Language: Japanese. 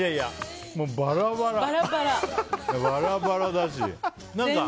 もう、バラバラだし。